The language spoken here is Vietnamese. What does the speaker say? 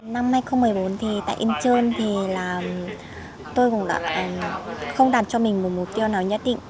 năm hai nghìn một mươi bốn thì tại incheon thì là tôi cũng đã không đạt cho mình một mục tiêu nào nhất định